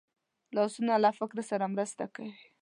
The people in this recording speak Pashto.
لاسونه له فکر سره مرسته کوي